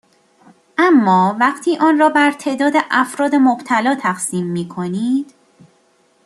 اما وقتی آن را بر تعداد افراد مبتلا تقسیم میکنید